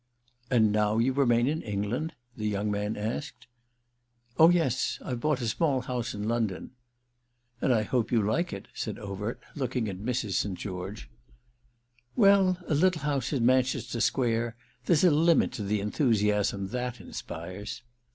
"And now you remain in England?" the young man asked. "Oh yes; I've bought a small house in London." "And I hope you like it," said Overt, looking at Mrs. St. George. "Well, a little house in Manchester Square—there's a limit to the enthusiasm that inspires."